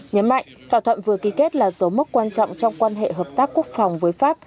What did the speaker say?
nhấn mạnh thỏa thuận vừa ký kết là dấu mốc quan trọng trong quan hệ hợp tác quốc phòng với pháp